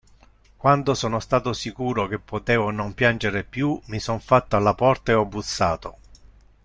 Quando sono stato sicuro che potevo non piangere più, mi son fatto alla porta e ho bussato.